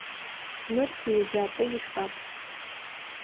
Мыр тиеджапӏэ ишхапӏ.